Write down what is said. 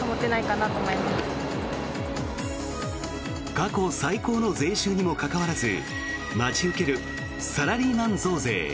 過去最高の税収にもかかわらず待ち受けるサラリーマン増税。